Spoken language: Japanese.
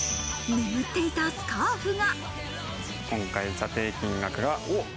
眠っていたスカーフが。